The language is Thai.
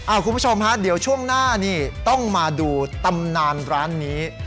คุณผู้ชมฮะเดี๋ยวช่วงหน้านี่ต้องมาดูตำนานร้านนี้